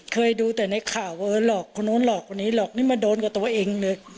เคยดูแต่ในข่าวว่าหลอกคนนู้นหลอกคนนี้หลอกนี่มาโดนกับตัวเองเลย